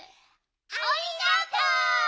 ありがとう！